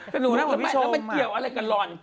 กะหนูโหวนโมยไปมันเกี่ยวกับว่ะ